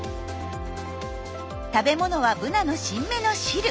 食べ物はブナの新芽の汁。